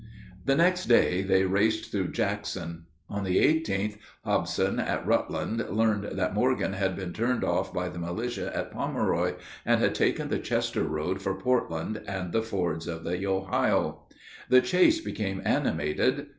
The next day they raced through Jackson. On the 18th, Hobson, at Rutland, learned that Morgan had been turned off by the militia at Pomeroy, and had taken the Chester road for Portland and the fords of the Ohio. The chase became animated.